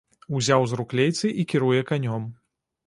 Узяў з рук лейцы і кіруе канём.